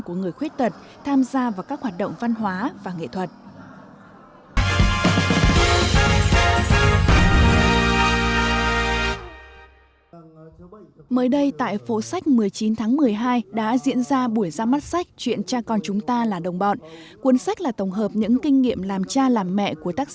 của người khuyết tật tham gia vào các hoạt động văn hóa và nghệ thuật